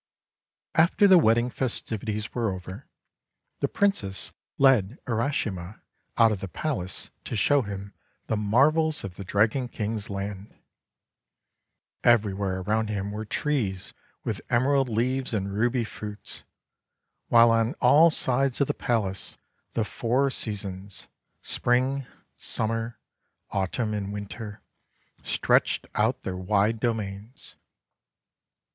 After the wedding festivities were over, the Princess led Urashima out of the palace to show him the marvels of the Dragon King's land. Everywhere around him were trees with emerald leaves and ruby fruits, while on all sides of the palace the four Seasons — Spring, Summer, THE FISHERBOY URASHIMA Autumn, and Winter — stretched out their wide domains.